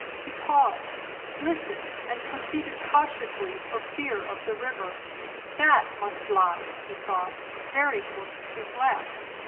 He paused, listened, and proceeded cautiously for fear of the river, that must lie, he thought, very close to his left.